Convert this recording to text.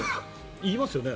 いいますよね。